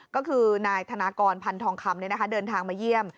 ก็คือนายธนากรพันธองคำเดินทางมาเยี่ยม